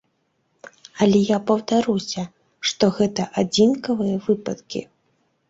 Але я паўтаруся, што гэта адзінкавыя выпадкі.